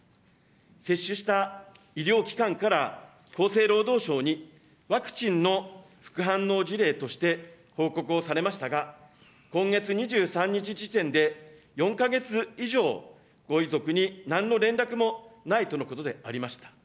接種した医療機関から厚生労働省にワクチンの副反応事例として報告をされましたが、今月２３日時点で、４か月以上、ご遺族になんの連絡もないとのことでありました。